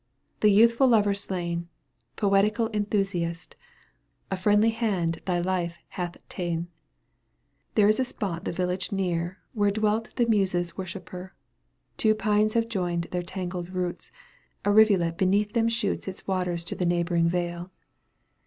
the youthful lover slain, Poetical enthusiast, A friendly hand thy life hath ta'en ! There is a spot the village near Where dwelt the Muses' worshipper, •>/, Two pines have joined their tangled roots, A rivulet beneath them shoots Its waters to the neighbouring vale.